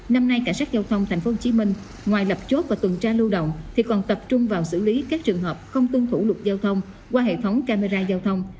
năm nay cảnh sát giao thông tp hcm ngoài lập chốt và tuần tra lưu động thì còn tập trung vào xử lý các trường hợp không tuân thủ luật giao thông qua hệ thống camera giao thông